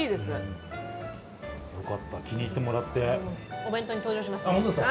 お弁当に登場しますよ。